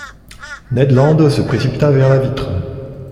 Ned Land se précipita vers la vitre.